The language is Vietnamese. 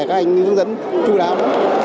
các anh hướng dẫn chú đáo